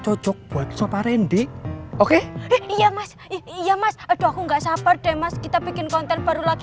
cocok buat sofa rendy oke iya mas iya mas aduh aku enggak sabar deh mas kita bikin konten baru lagi